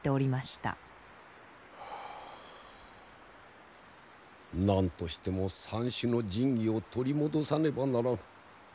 はあ何としても三種の神器を取り戻さねばならぬ。